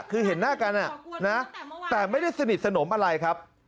คือเห็นหน้ากันแต่ไม่ได้สนิทสนมอะไรครับ